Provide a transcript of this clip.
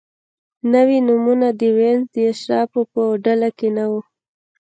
نوي نومونه د وینز د اشرافو په ډله کې نه وو.